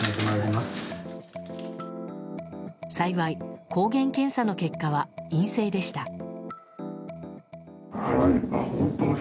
幸い、抗原検査の結果は陰性でした。